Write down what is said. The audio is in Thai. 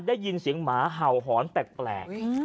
ได้ยินเสียงหมาเห่าหอนแปลก